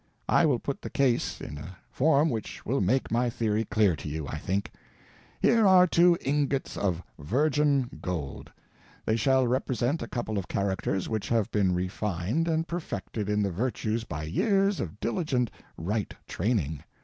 I will put the case in a form which will make my theory clear to you, I think. Here are two ingots of virgin gold. They shall represent a couple of characters which have been refined and perfected in the virtues by years of diligent right training.